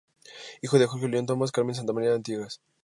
Hijo de Jorge Lyon Thomas y Carmen Santa María Artigas.